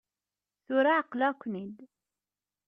Tura εeqleɣ-ken-id.